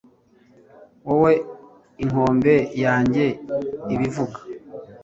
Wowe inkombe yanjye ibivuga